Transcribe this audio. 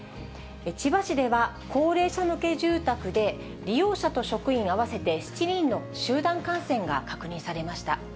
千葉市では高齢者向け住宅で、利用者と職員合わせて７人の集団感染が確認されました。